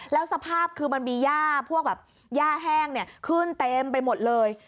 แล้วสภาพคือมันมีแห้งขึ้นเต็มไปหมดเลย